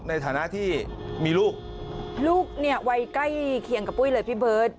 ในฐานะที่มีลูกลูกเนี่ยวัยใกล้เคียงกับปุ้ยเลยพี่เบิร์ต